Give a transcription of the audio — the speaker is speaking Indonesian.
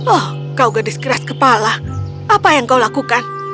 oh kau gadis keras kepala apa yang kau lakukan